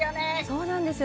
そうなんですよね。